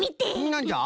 なんじゃ？